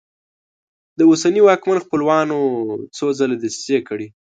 د اوسني واکمن خپلوانو څو ځله دسیسې کړي.